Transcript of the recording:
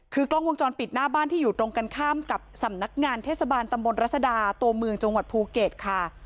คือกล้องวงจรปิดหน้าบ้านที่อยู่ตรงกันข้ามกับสำนักงานเทศบาลตำบลรัศดาตัวเมืองจังหวัดภูเก็ตค่ะ